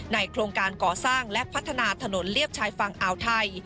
โครงการก่อสร้างและพัฒนาถนนเรียบชายฝั่งอ่าวไทย